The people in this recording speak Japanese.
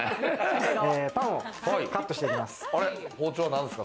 パンをカットしていきます。